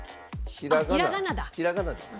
ひらがなですね。